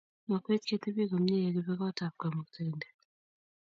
Makwech ketebii komye yekibe kot ab Kmauktaindet